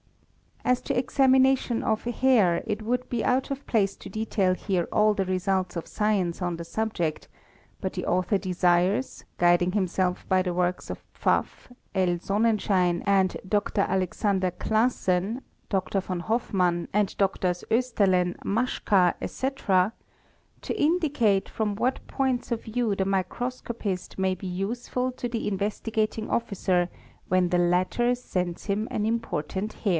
As to examination of hair it would be out of place to detail here all the results of science on the subject, but the author desires, guiding himself by the works of Pfaff, L. Sonnenschein and Dr. Alex. Classen ®, Dr. von Hofmann ™®, and:Drs. Gisterlen®?, Maschka®®, etc., to indi cate from what points of view the microscopist may be useful to the Investigating Officer when the latter sends him an important hair.